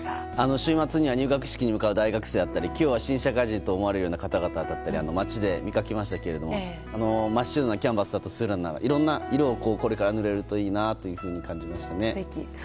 週末には入学式に向かう大学生だったり今日は新社会人と思われるような方々だったり街で見かけましたけれども真っ白なキャンバスとするならこれからいろんな色を描けたらいいなと感じましたね。